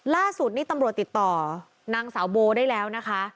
ล่าสุดนี่ตำรวจติดต่อนางสาวโบได้แล้วนะคะ